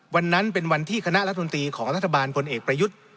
วันนั้นเป็นวันที่คณะรัฐมนตรีของรัฐบาลพลเอกประยุทธ์